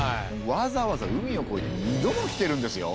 わざわざ海をこえて２度も来てるんですよ。